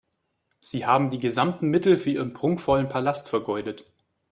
Sie haben die gesamten Mittel für Ihren prunkvollen Palast vergeudet.